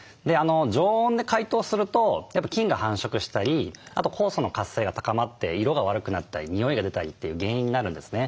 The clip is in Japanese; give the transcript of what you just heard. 常温で解凍するとやっぱ菌が繁殖したりあと酵素の活性が高まって色が悪くなったり臭いが出たりという原因になるんですね。